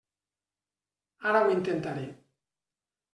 Ara ho intentaré.